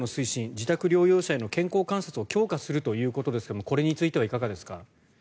自宅療養者への健康観察を強化するということですがこれについてはいかがですか？